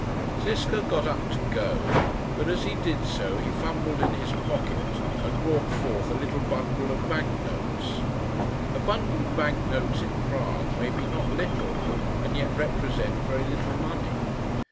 Ziska got up to go, but as he did so he fumbled in his pocket and brought forth a little bundle of bank notes. A bundle of bank notes in Prague may be not little, and yet represent very little money.